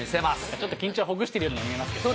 ちょっと緊張をほぐしてるようにも見えますけどね。